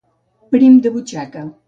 Prim de butxaca.